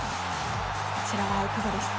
こちらはいかがでしたか？